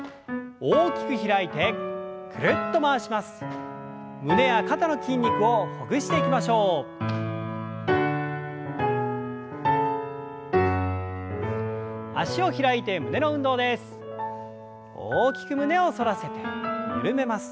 大きく胸を反らせて緩めます。